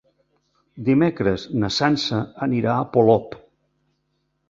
Dimecres na Sança anirà a Polop.